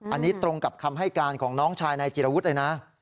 อันนี้ตรงกับคำให้การของน้องชายนายจิรวุฒิเลยนะ